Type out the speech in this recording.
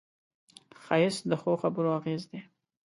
ښایست د ښو خبرو اغېز دی